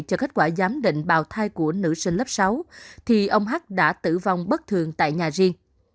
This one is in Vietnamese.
cho kết quả giám định bào thai của nữ sinh lớp sáu thì ông hắc đã tử vong bất thường tại nhà riêng